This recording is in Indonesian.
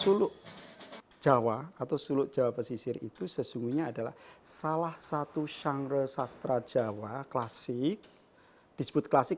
suluk jawa atau suluk jawa persisir itu sesungguhnya adalah salah satu genre sastra jawa klasik disebut klasik karena dia pernah hadir pada masa silam